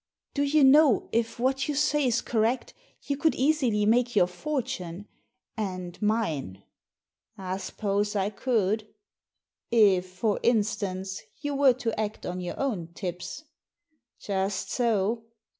" Do you know, if what you say is correct, you could easily make your fortune — and mine ?"I suppose I could." "If, for instance, you were to act on your own tips." "Just so."